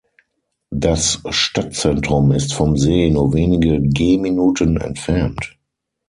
Das Stadtzentrum ist vom See nur wenige Gehminuten entfernt.